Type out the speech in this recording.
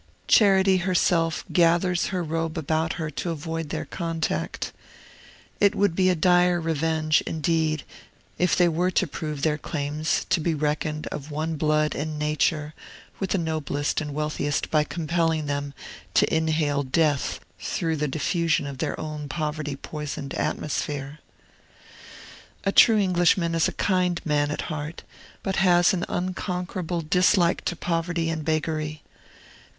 Charity herself gathers her robe about her to avoid their contact. It would be a dire revenge, indeed, if they were to prove their claims to be reckoned of one blood and nature with the noblest and wealthiest by compelling them to inhale death through the diffusion of their own poverty poisoned atmosphere. A true Englishman is a kind man at heart, but has an unconquerable dislike to poverty and beggary.